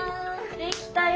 できたよ。